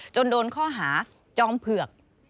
โดนข้อหาจอมเผือก